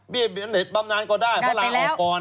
เบี้ยเบียนเหน็ตบำนานก็ได้เพราะล้างออกกร